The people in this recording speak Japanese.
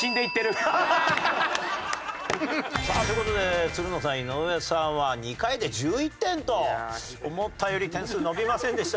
さあという事でつるのさん井上さんは２回で１１点と思ったより点数伸びませんでした。